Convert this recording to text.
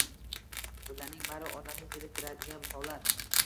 Bularning bari odamni zeriktiradigan holat